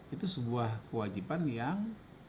itu sebuah kewajiban yang